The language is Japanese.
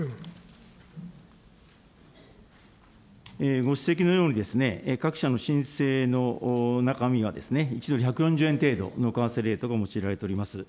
ご指摘のように、各社の申請の中身は、１ドル１３０円程度の為替レートが用いられております。